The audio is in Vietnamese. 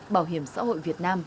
bảo hiểm xã hội việt nam